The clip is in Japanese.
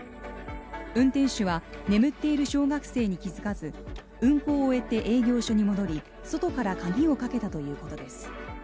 運転手は、眠っている小学生に気づかず運行を終えて営業所に戻り、外から鍵をかけたということです。